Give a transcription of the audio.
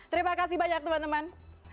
terima kasih banyak teman teman